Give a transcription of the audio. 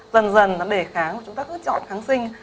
dần dần nó đề kháng và chúng ta cứ chọn kháng sinh